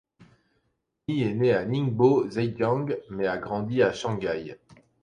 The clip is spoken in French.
Ni est né à Ningbo, Zhejiang, mais a grandi à Shanghai.